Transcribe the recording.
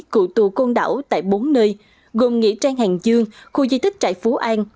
cựu tù côn đảo tại bốn nơi gồm nghĩa trang hàng dương khu di tích trại phú an